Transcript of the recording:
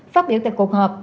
phát biểu tại cuộc họp